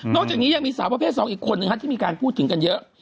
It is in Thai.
จากนี้ยังมีสาวประเภท๒อีกคนนึงที่มีการพูดถึงกันเยอะ